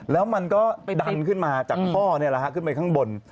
แล้วมันก็ดันขึ้นมาจากท่อขึ้นไปข้างบน